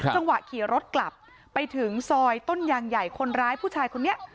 จังหวะขี่รถกลับไปถึงซอยต้นยางใหญ่คนร้ายผู้ชายคนนี้